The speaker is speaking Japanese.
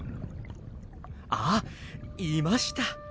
あっいました！